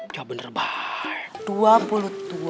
jawab bener banget